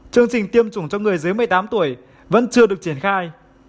chương trình tiêm chủng cho người dưới một mươi tám tuổi vẫn chưa được triển khai